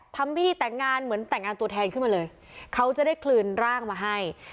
ทำพิธีแต่งงานเหมือนแต่งงานตัวแทนขึ้นมาเลยเขาจะได้คืนร่างมาให้